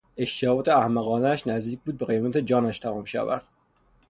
اشتباهات احمقانهاش نزدیک بود به قیمت جانش تمام شود.